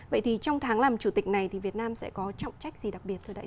vậy thì trong tháng làm chủ tịch này thì việt nam sẽ có trọng trách gì đặc biệt thưa đại sứ